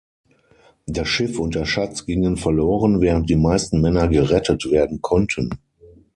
Das Schiff und der Schatz gingen verloren, während die meisten Männer gerettet werden konnten.